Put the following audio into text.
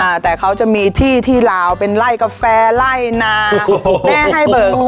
อ่าแต่เขาจะมีที่ที่ลาวเป็นไล่กาแฟไล่นาโอ้โหแม่ให้เบิก